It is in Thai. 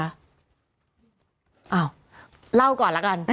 อ้าวเล่าก่อนละกัน